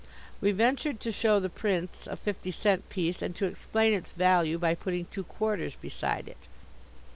We ventured to show the Prince a fifty cent piece and to explain its value by putting two quarters beside it.